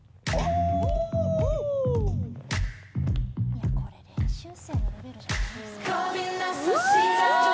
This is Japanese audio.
いやこれ練習生のレベルじゃない。